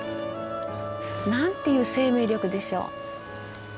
なんていう生命力でしょう。